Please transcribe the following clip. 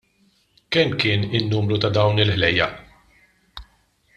Kemm kien in-numru ta' dawn il-ħlejjaq?